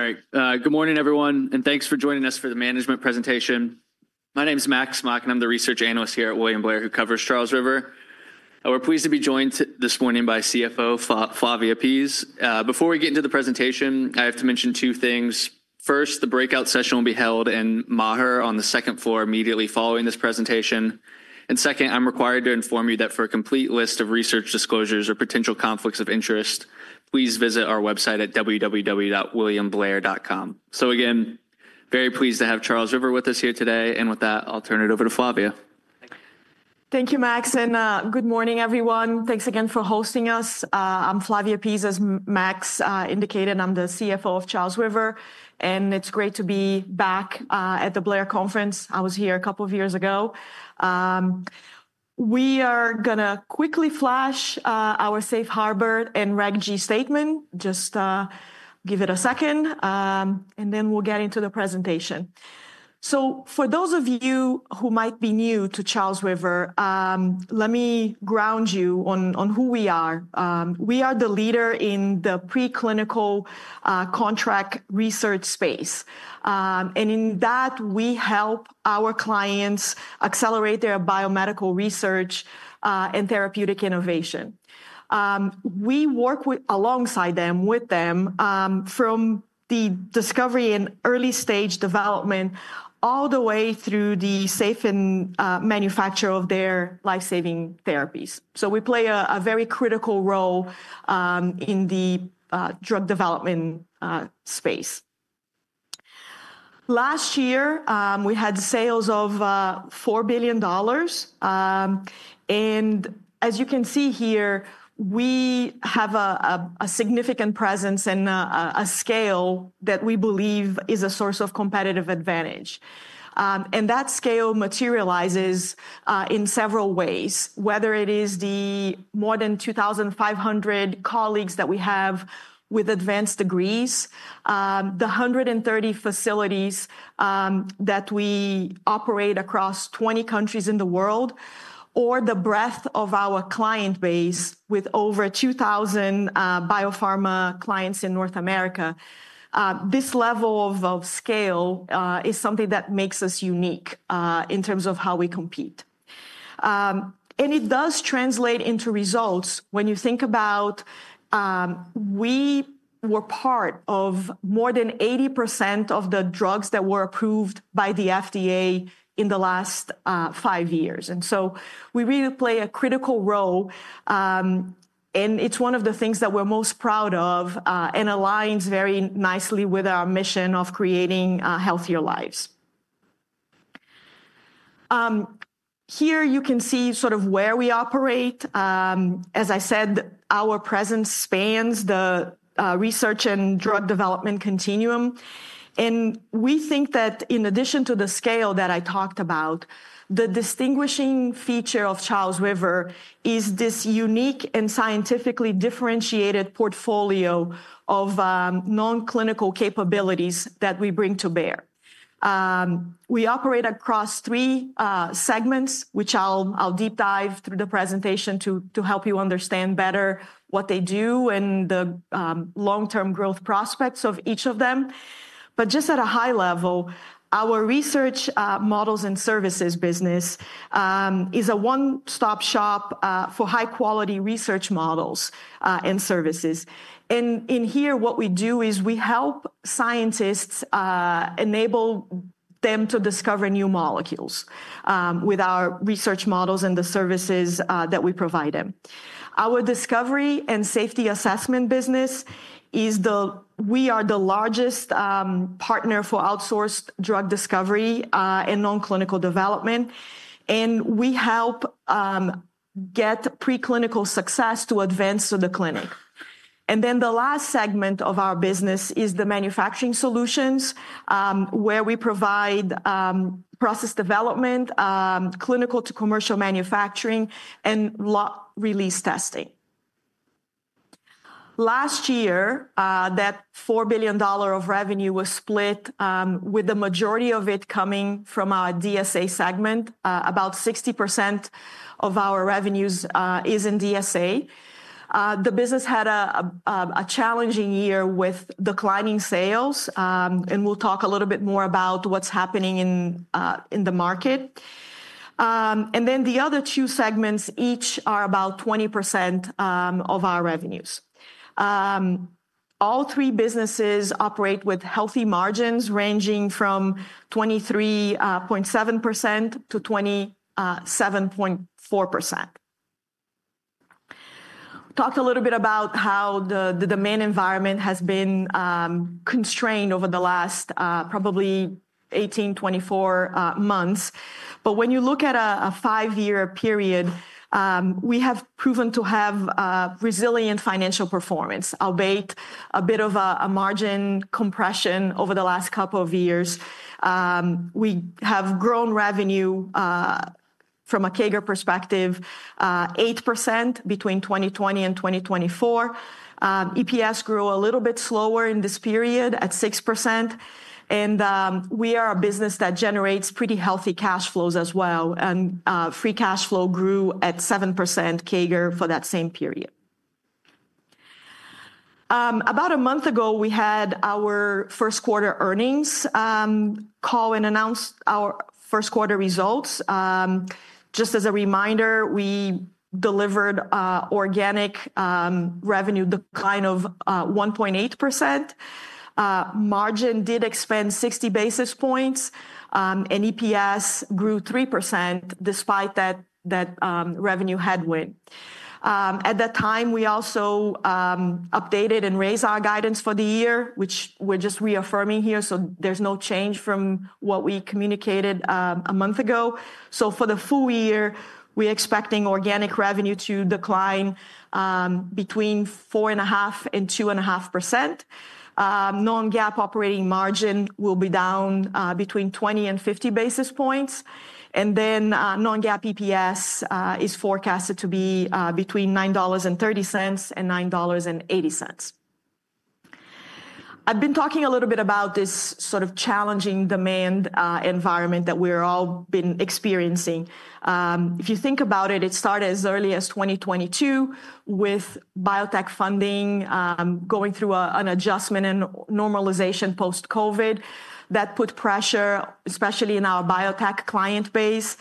All right. Good morning, everyone, and thanks for joining us for the management presentation. My name is Max Mock, and I'm the research analyst here at William Blair, who covers Charles River. We're pleased to be joined this morning by CFO Flavia Pease. Before we get into the presentation, I have to mention two things. First, the breakout session will be held in Maher on the second floor immediately following this presentation. Second, I'm required to inform you that for a complete list of research disclosures or potential conflicts of interest, please visit our website at www.williamblair.com. Again, very pleased to have Charles River with us here today. With that, I'll turn it over to Flavia. Thank you, Max. Good morning, everyone. Thanks again for hosting us. I'm Flavia Pease, as Max indicated. I'm the CFO of Charles River, and it's great to be back at the Blair Conference. I was here a couple of years ago. We are going to quickly flash our safe harbor and RAGG statement. Just give it a second, and then we'll get into the presentation. For those of you who might be new to Charles River, let me ground you on who we are. We are the leader in the preclinical contract research space. In that, we help our clients accelerate their biomedical research and therapeutic innovation. We work alongside them from the discovery and early stage development all the way through the safe manufacture of their lifesaving therapies. We play a very critical role in the drug development space. Last year, we had sales of $4 billion. As you can see here, we have a significant presence and a scale that we believe is a source of competitive advantage. That scale materializes in several ways, whether it is the more than 2,500 colleagues that we have with advanced degrees, the 130 facilities that we operate across 20 countries in the world, or the breadth of our client base with over 2,000 biopharma clients in North America. This level of scale is something that makes us unique in terms of how we compete. It does translate into results. When you think about it, we were part of more than 80% of the drugs that were approved by the FDA in the last five years. We really play a critical role. It is one of the things that we are most proud of and aligns very nicely with our mission of creating healthier lives. Here you can see sort of where we operate. As I said, our presence spans the research and drug development continuum. We think that in addition to the scale that I talked about, the distinguishing feature of Charles River is this unique and scientifically differentiated portfolio of nonclinical capabilities that we bring to bear. We operate across three segments, which I will deep dive through the presentation to help you understand better what they do and the long-term growth prospects of each of them. Just at a high level, our research models and services business is a one-stop shop for high-quality research models and services. In here, what we do is we help scientists enable them to discover new molecules with our research models and the services that we provide them. Our discovery and safety assessment business is the we are the largest partner for outsourced drug discovery and nonclinical development. We help get preclinical success to advance to the clinic. The last segment of our business is the manufacturing solutions, where we provide process development, clinical to commercial manufacturing, and lot release testing. Last year, that $4 billion of revenue was split, with the majority of it coming from our DSA segment. About 60% of our revenues is in DSA. The business had a challenging year with declining sales. We'll talk a little bit more about what's happening in the market. The other two segments each are about 20% of our revenues. All three businesses operate with healthy margins ranging from 23.7%-27.4%. Talked a little bit about how the demand environment has been constrained over the last probably 18 months, 24 months. When you look at a five-year period, we have proven to have resilient financial performance, albeit a bit of a margin compression over the last couple of years. We have grown revenue from a CAGR perspective, 8% between 2020 and 2024. EPS grew a little bit slower in this period at 6%. We are a business that generates pretty healthy cash flows as well. Free cash flow grew at 7% CAGR for that same period. About a month ago, we had our first quarter earnings call and announced our first quarter results. Just as a reminder, we delivered organic revenue decline of 1.8%. Margin did expand 60 basis points. EPS grew 3% despite that revenue headwind. At that time, we also updated and raised our guidance for the year, which we are just reaffirming here. There is no change from what we communicated a month ago. For the full year, we are expecting organic revenue to decline between 4.5% and 2.5%. Non-GAAP operating margin will be down between 20 and 50 basis points. Non-GAAP EPS is forecasted to be between $9.30 and $9.80. I have been talking a little bit about this sort of challenging demand environment that we have all been experiencing. If you think about it, it started as early as 2022 with biotech funding going through an adjustment and normalization post-COVID that put pressure, especially in our biotech client base.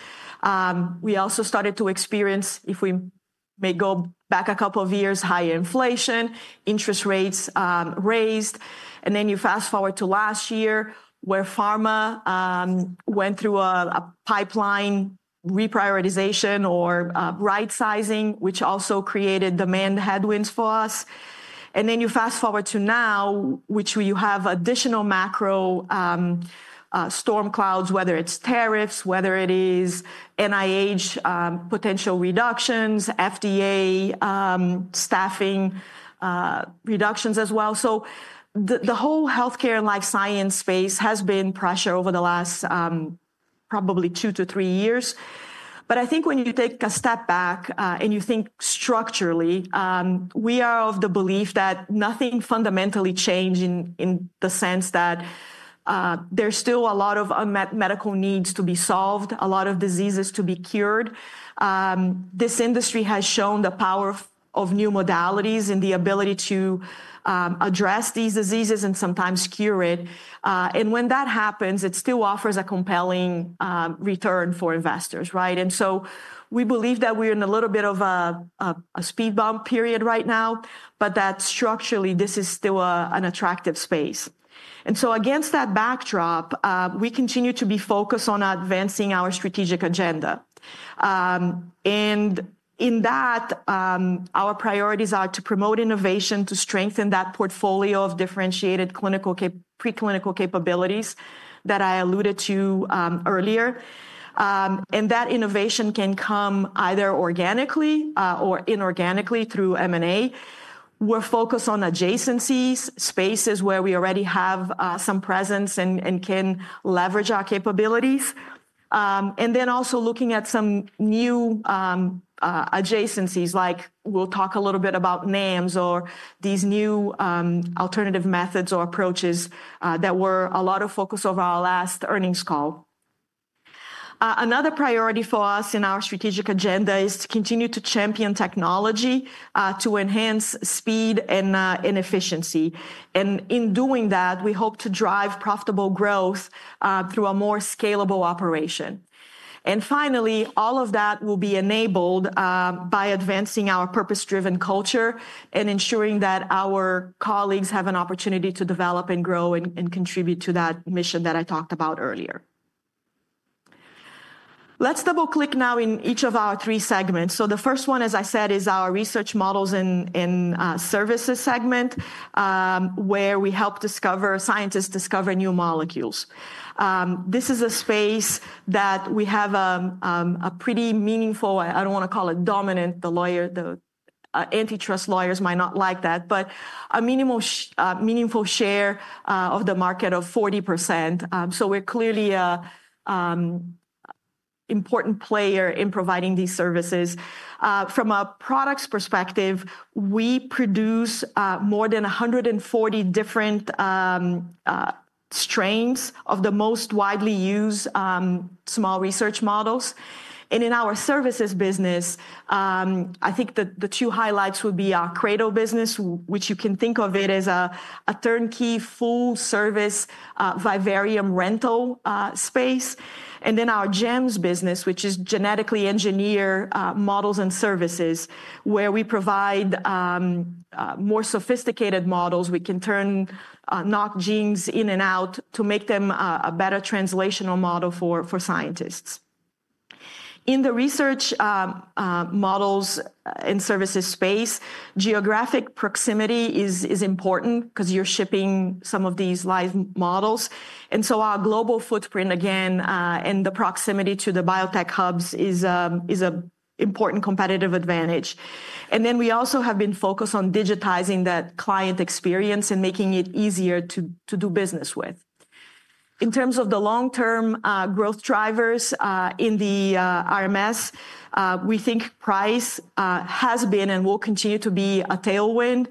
We also started to experience, if we go back a couple of years, high inflation, interest rates raised. You fast forward to last year, where pharma went through a pipeline reprioritization or right-sizing, which also created demand headwinds for us. You fast forward to now, which we have additional macro storm clouds, whether it's tariffs, whether it is NIH potential reductions, FDA staffing reductions as well. The whole healthcare and life science space has been pressure over the last probably two to three years. I think when you take a step back and you think structurally, we are of the belief that nothing fundamentally changed in the sense that there's still a lot of medical needs to be solved, a lot of diseases to be cured. This industry has shown the power of new modalities and the ability to address these diseases and sometimes cure it. When that happens, it still offers a compelling return for investors. We believe that we're in a little bit of a speed bump period right now, but that structurally, this is still an attractive space. Against that backdrop, we continue to be focused on advancing our strategic agenda. In that, our priorities are to promote innovation to strengthen that portfolio of differentiated preclinical capabilities that I alluded to earlier. That innovation can come either organically or inorganically through M&A. We're focused on adjacencies, spaces where we already have some presence and can leverage our capabilities. Also looking at some new adjacencies, like we'll talk a little bit about NAMs or these new alternative methods or approaches that were a lot of focus over our last earnings call. Another priority for us in our strategic agenda is to continue to champion technology to enhance speed and efficiency. In doing that, we hope to drive profitable growth through a more scalable operation. Finally, all of that will be enabled by advancing our purpose-driven culture and ensuring that our colleagues have an opportunity to develop and grow and contribute to that mission that I talked about earlier. Let's double-click now in each of our three segments. The first one, as I said, is our Research Models and Services segment, where we help scientists discover new molecules. This is a space that we have a pretty meaningful, I do not want to call it dominant. The antitrust lawyers might not like that, but a meaningful share of the market of 40%. We are clearly an important player in providing these services. From a products perspective, we produce more than 140 different strains of the most widely used small research models. In our services business, I think the two highlights would be our CRADL business, which you can think of as a turnkey full-service vivarium rental space. Then our GEMS business, which is genetically engineered models and services, where we provide more sophisticated models. We can turn knock genes in and out to make them a better translational model for scientists. In the research models and services space, geographic proximity is important because you're shipping some of these live models. Our global footprint, again, and the proximity to the biotech hubs is an important competitive advantage. We also have been focused on digitizing that client experience and making it easier to do business with. In terms of the long-term growth drivers in the RMS, we think price has been and will continue to be a tailwind.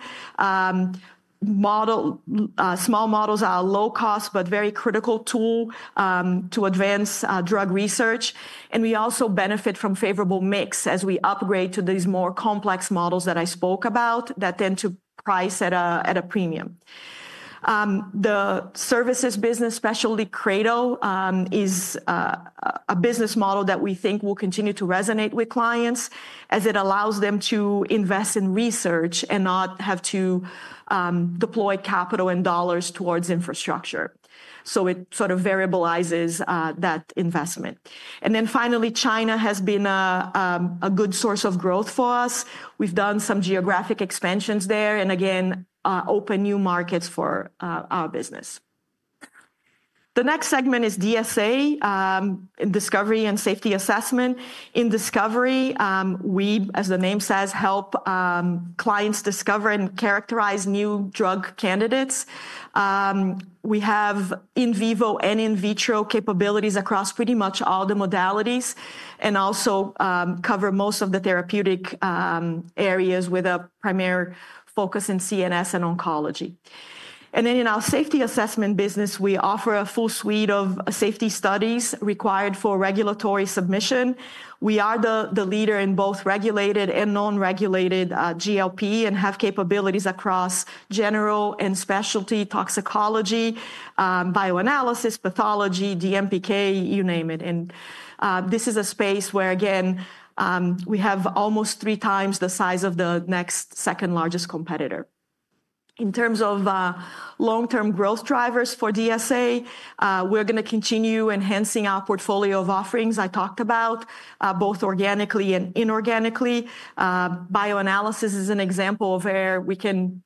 Small models are a low-cost but very critical tool to advance drug research. We also benefit from favorable mix as we upgrade to these more complex models that I spoke about that tend to price at a premium. The services business, especially CRADL, is a business model that we think will continue to resonate with clients as it allows them to invest in research and not have to deploy capital and dollars towards infrastructure. It sort of variabilizes that investment. Finally, China has been a good source of growth for us. We have done some geographic expansions there and again, open new markets for our business. The next segment is DSA in discovery and safety assessment. In discovery, we, as the name says, help clients discover and characterize new drug candidates. We have in vivo and in vitro capabilities across pretty much all the modalities and also cover most of the therapeutic areas with a primary focus in CNS and oncology. In our safety assessment business, we offer a full suite of safety studies required for regulatory submission. We are the leader in both regulated and non-regulated GLP and have capabilities across general and specialty toxicology, bioanalysis, pathology, DMPK, you name it. This is a space where, again, we have almost three times the size of the next second largest competitor. In terms of long-term growth drivers for DSA, we're going to continue enhancing our portfolio of offerings I talked about, both organically and inorganically. Bioanalysis is an example of where we can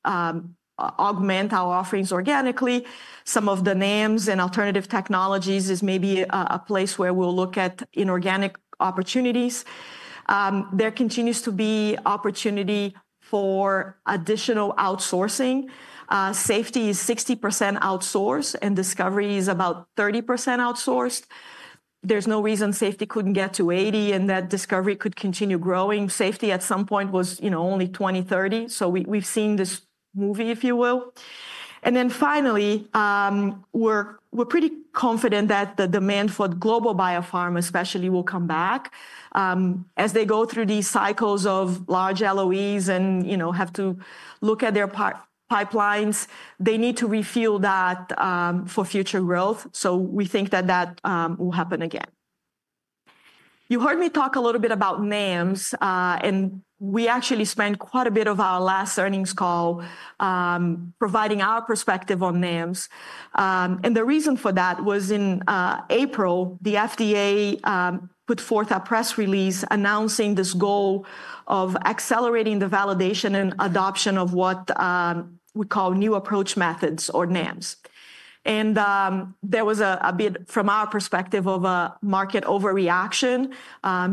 augment our offerings organically. Some of the NAMs and alternative technologies is maybe a place where we'll look at inorganic opportunities. There continues to be opportunity for additional outsourcing. Safety is 60% outsourced and discovery is about 30% outsourced. There's no reason safety couldn't get to 80% and that discovery could continue growing. Safety at some point was only 20%, 30%. We have seen this movie, if you will. Finally, we are pretty confident that the demand for global biopharma especially will come back. As they go through these cycles of large LOEs and have to look at their pipelines, they need to refuel that for future growth. We think that that will happen again. You heard me talk a little bit about NAMs. We actually spent quite a bit of our last earnings call providing our perspective on NAMs. The reason for that was in April, the FDA put forth a press release announcing this goal of accelerating the validation and adoption of what we call new approach methods or NAMs. There was a bit from our perspective of a market overreaction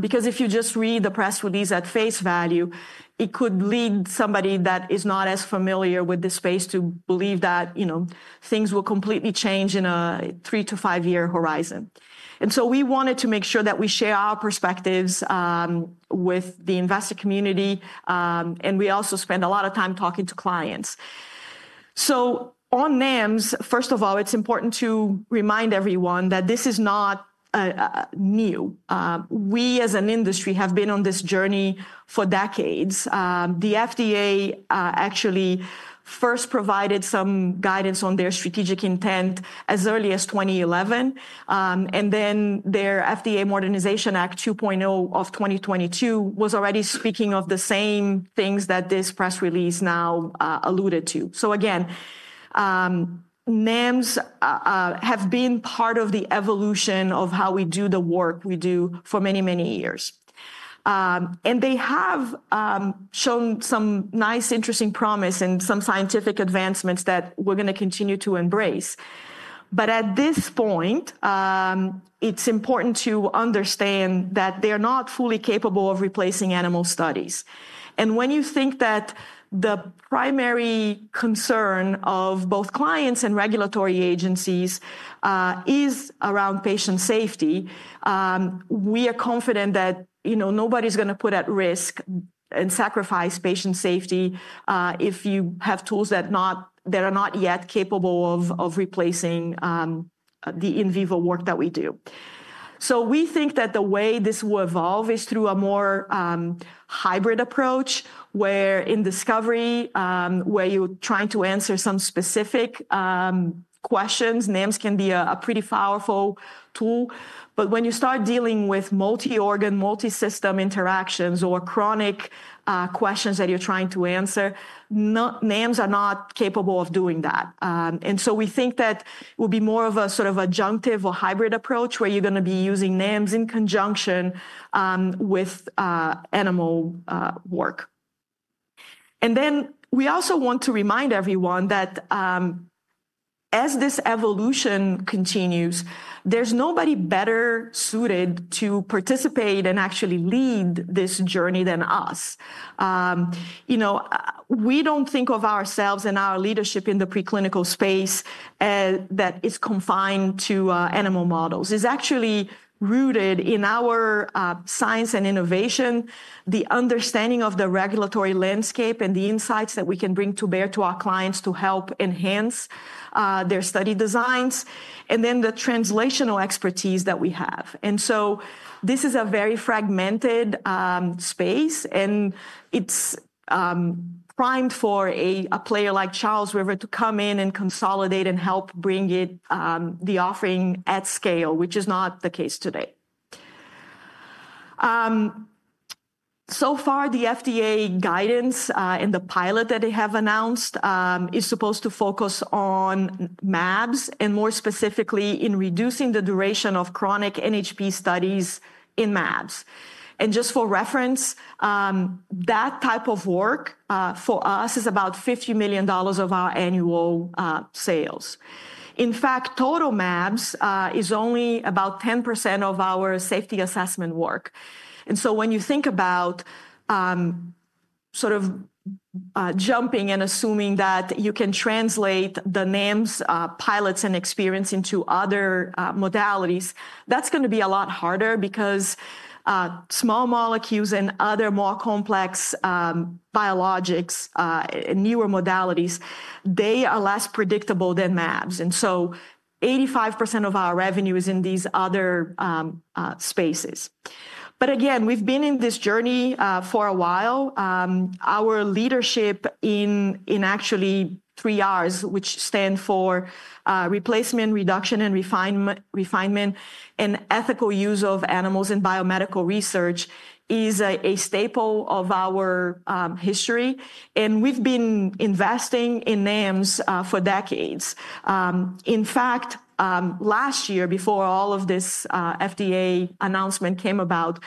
because if you just read the press release at face value, it could lead somebody that is not as familiar with the space to believe that things will completely change in a three to five-year horizon. We wanted to make sure that we share our perspectives with the investor community. We also spend a lot of time talking to clients. On NAMs, first of all, it's important to remind everyone that this is not new. We, as an industry, have been on this journey for decades. The FDA actually first provided some guidance on their strategic intent as early as 2011. The FDA Modernization Act 2.0 of 2022 was already speaking of the same things that this press release now alluded to. NAMs have been part of the evolution of how we do the work we do for many, many years. They have shown some nice, interesting promise and some scientific advancements that we're going to continue to embrace. At this point, it's important to understand that they're not fully capable of replacing animal studies. When you think that the primary concern of both clients and regulatory agencies is around patient safety, we are confident that nobody's going to put at risk and sacrifice patient safety if you have tools that are not yet capable of replacing the in vivo work that we do. We think that the way this will evolve is through a more hybrid approach where in discovery, where you're trying to answer some specific questions, NAMs can be a pretty powerful tool. When you start dealing with multi-organ, multi-system interactions or chronic questions that you're trying to answer, NAMs are not capable of doing that. We think that it will be more of a sort of adjunctive or hybrid approach where you're going to be using NAMs in conjunction with animal work. We also want to remind everyone that as this evolution continues, there's nobody better suited to participate and actually lead this journey than us. We don't think of ourselves and our leadership in the preclinical space that is confined to animal models. It's actually rooted in our science and innovation, the understanding of the regulatory landscape and the insights that we can bring to bear to our clients to help enhance their study designs, and then the translational expertise that we have. This is a very fragmented space, and it's primed for a player like Charles River to come in and consolidate and help bring the offering at scale, which is not the case today. So far, the FDA guidance and the pilot that they have announced is supposed to focus on mAbs and more specifically in reducing the duration of chronic NHP studies in mAbs. Just for reference, that type of work for us is about $50 million of our annual sales. In fact, total mAbs is only about 10% of our safety assessment work. When you think about sort of jumping and assuming that you can translate the NAMs pilots and experience into other modalities, that's going to be a lot harder because small molecules and other more complex biologics, newer modalities, they are less predictable than mAbs. Eighty-five percent of our revenue is in these other spaces. Again, we've been in this journey for a while. Our leadership in actually Three Rs, which stand for replacement, reduction, and refinement, and ethical use of animals in biomedical research is a staple of our history. We've been investing in NAMs for decades. In fact, last year, before all of this FDA announcement came about,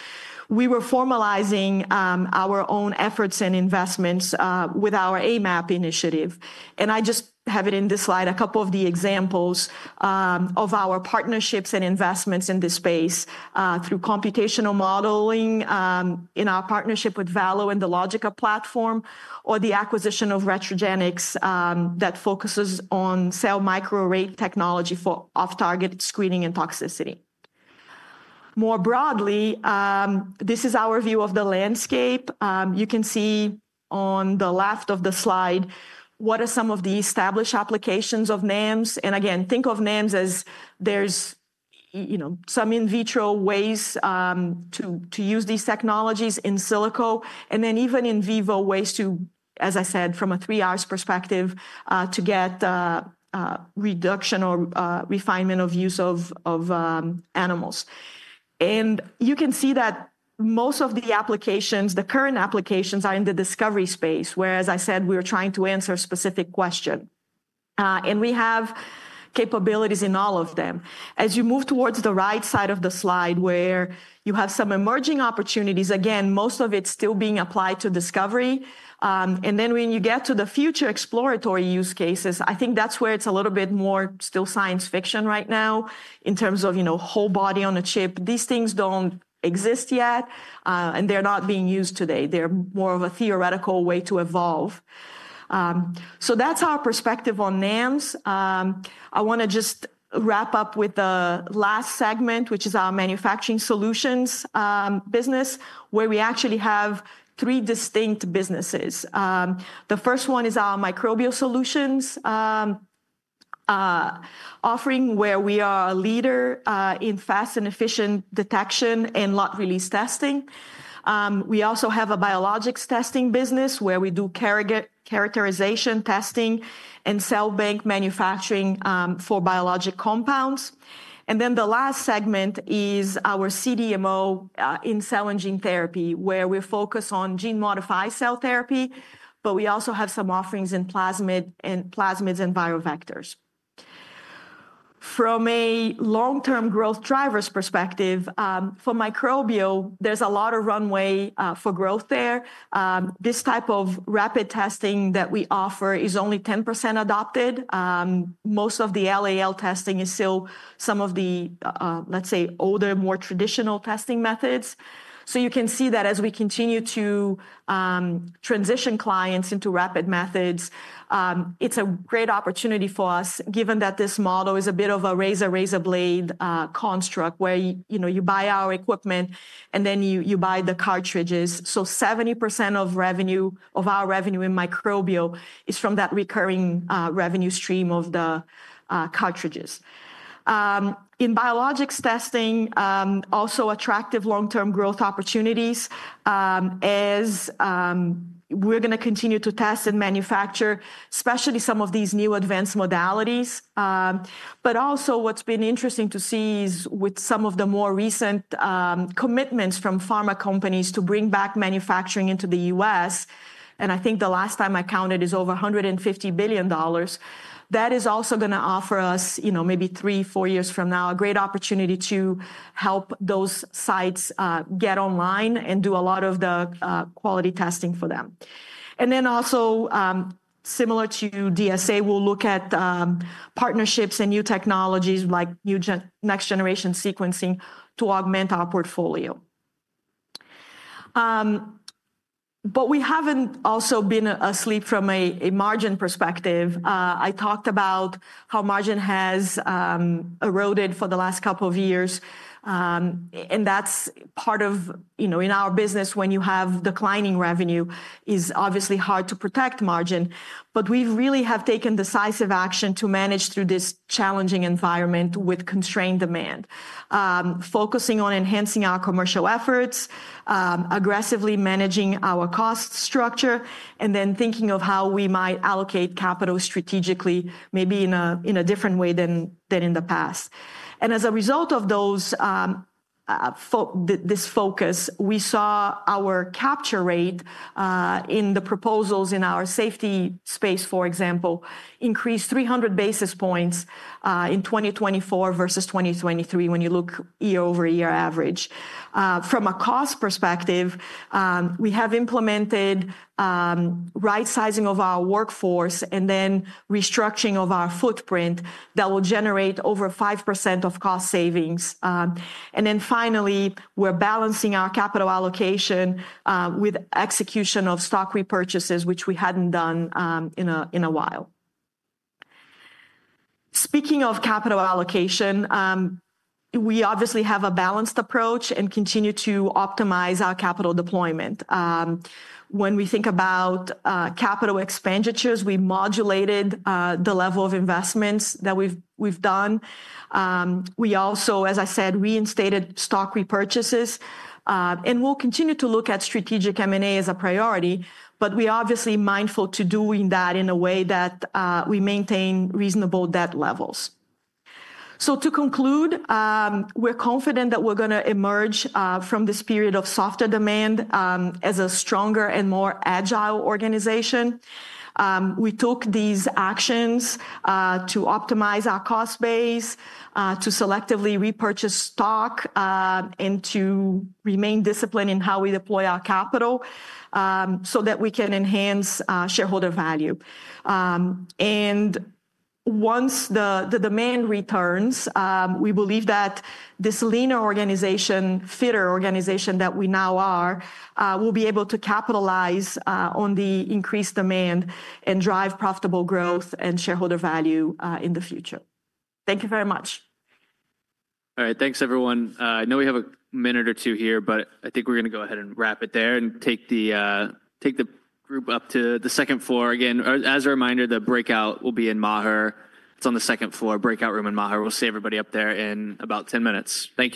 we were formalizing our own efforts and investments with our AMAP initiative. I just have it in this slide, a couple of the examples of our partnerships and investments in this space through computational modeling in our partnership with Valo and the Logica platform, or the acquisition of Retrogenics that focuses on cell microarray technology for off-target screening and toxicity. More broadly, this is our view of the landscape. You can see on the left of the slide what are some of the established applications of NAMs. Again, think of NAMs as there's some in vitro ways to use these technologies, in silico, and then even in vivo ways to, as I said, from a three Rs perspective, to get reduction or refinement of use of animals. You can see that most of the applications, the current applications are in the discovery space, where, as I said, we're trying to answer a specific question. We have capabilities in all of them. As you move towards the right side of the slide, where you have some emerging opportunities, most of it is still being applied to discovery. When you get to the future exploratory use cases, I think that is where it is a little bit more still science fiction right now in terms of whole body on a chip. These things do not exist yet, and they are not being used today. They are more of a theoretical way to evolve. That is our perspective on NAMs. I want to just wrap up with the last segment, which is our manufacturing solutions business, where we actually have three distinct businesses. The first one is our Microbial Solutions offering, where we are a leader in fast and efficient detection and lot release testing. We also have a biologics testing business where we do characterization testing and cell bank manufacturing for biologic compounds. The last segment is our CDMO in cell and gene therapy, where we focus on gene modified cell therapy, but we also have some offerings in plasmids and biovectors. From a long-term growth drivers perspective, for microbial, there is a lot of runway for growth there. This type of rapid testing that we offer is only 10% adopted. Most of the LAL testing is still some of the, let's say, older, more traditional testing methods. You can see that as we continue to transition clients into rapid methods, it is a great opportunity for us, given that this model is a bit of a razor-razor blade construct, where you buy our equipment and then you buy the cartridges. Seventy percent of our revenue in microbial is from that recurring revenue stream of the cartridges. In biologics testing, also attractive long-term growth opportunities as we're going to continue to test and manufacture, especially some of these new advanced modalities. What has been interesting to see is with some of the more recent commitments from pharma companies to bring back manufacturing into the U.S., and I think the last time I counted is over $150 billion. That is also going to offer us, maybe three or four years from now, a great opportunity to help those sites get online and do a lot of the quality testing for them. Also, similar to DSA, we'll look at partnerships and new technologies like next-generation sequencing to augment our portfolio. We have not also been asleep from a margin perspective. I talked about how margin has eroded for the last couple of years. That is part of, in our business, when you have declining revenue, it is obviously hard to protect margin. We really have taken decisive action to manage through this challenging environment with constrained demand, focusing on enhancing our commercial efforts, aggressively managing our cost structure, and then thinking of how we might allocate capital strategically, maybe in a different way than in the past. As a result of this focus, we saw our capture rate in the proposals in our safety space, for example, increase 300 basis points in 2024 versus 2023 when you look year-over-year average. From a cost perspective, we have implemented right-sizing of our workforce and then restructuring of our footprint that will generate over 5% of cost savings. Finally, we're balancing our capital allocation with execution of stock repurchases, which we hadn't done in a while. Speaking of capital allocation, we obviously have a balanced approach and continue to optimize our capital deployment. When we think about capital expenditures, we modulated the level of investments that we've done. We also, as I said, reinstated stock repurchases. We'll continue to look at strategic M&A as a priority, but we're obviously mindful to doing that in a way that we maintain reasonable debt levels. To conclude, we're confident that we're going to emerge from this period of softer demand as a stronger and more agile organization. We took these actions to optimize our cost base, to selectively repurchase stock, and to remain disciplined in how we deploy our capital so that we can enhance shareholder value. Once the demand returns, we believe that this leaner organization, fitter organization that we now are, will be able to capitalize on the increased demand and drive profitable growth and shareholder value in the future. Thank you very much. All right, thanks, everyone. I know we have a minute or two here, but I think we're going to go ahead and wrap it there and take the group up to the second floor. Again, as a reminder, the breakout will be in Maher. It's on the second floor, breakout room in Maher. We'll see everybody up there in about 10 minutes. Thank you.